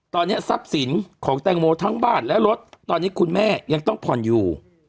ตอนนี้ทรัพย์สินของแตงโมทั้งบ้านและรถตอนนี้คุณแม่ยังต้องผ่อนอยู่